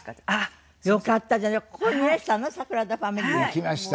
行きました。